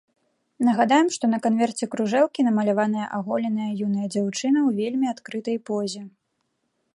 Нагадаем, што на канверце кружэлкі намаляваная аголеная юная дзяўчына ў вельмі адкрытай позе.